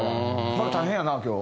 マル大変やな今日。